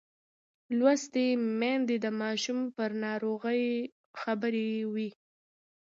لوستې میندې د ماشوم پر ناروغۍ خبر وي.